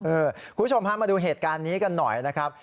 คุณผู้ชมพามาดูเหตุการณ์นี้กันหน่อยนะครับ